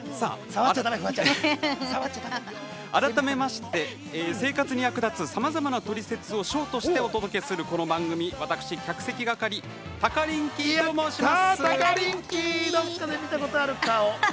改めまして生活に役立つさまざまなトリセツをショートしてお伝えするこの番組は私、客席係どこかで見たことある顔！